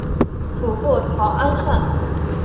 祖父曹安善。